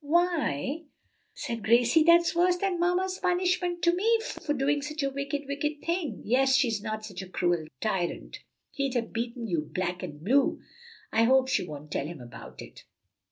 "Why," said Gracie, "that's worse than mamma's punishment to me for for doing such a wicked, wicked thing!" "Yes, she's not such a cruel tyrant. He'd have beaten you black and blue. I hope she won't tell him about it."